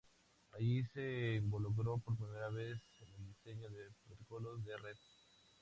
Allí se involucró por primera vez en el diseño de protocolos de red.